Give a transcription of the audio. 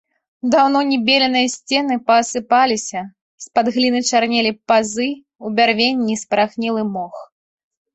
Даўно не беленыя сцены паасыпаліся, з-пад гліны чарнелі пазы ў бярвенні і спарахнелы мох.